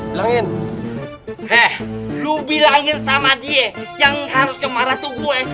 bilangin sama dia yang harus kemarah tuh gue